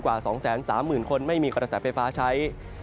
กว่า๒๓๐๐๐คนไม่มีกระแสไฟฟ้าใช้